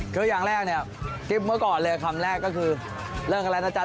ก็คือคำนี้ครับ